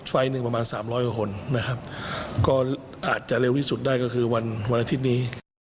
ไฟล์หนึ่งประมาณ๓๐๐กว่าคนนะครับก็อาจจะเร็วที่สุดได้ก็คือวันอาทิตย์นี้